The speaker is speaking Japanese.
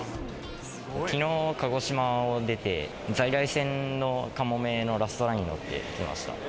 きのう、鹿児島を出て、在来線のかもめのラストランに乗って来ました。